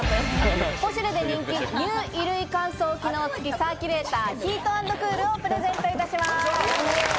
ポシュレで人気「Ｎｅｗ衣類乾燥機能付サーキュレーターヒート＆クール」をプレゼントいたします。